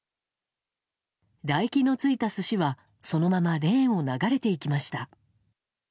唾液のついた寿司は、そのままレーンを流れていきました。